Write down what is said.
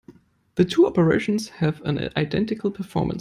The two operations have an identical performance.